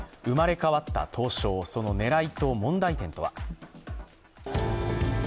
生まれ変わった東証その狙いと問題点とは。